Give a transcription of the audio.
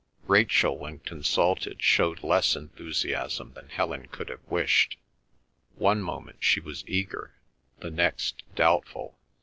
Rachel, when consulted, showed less enthusiasm than Helen could have wished. One moment she was eager, the next doubtful.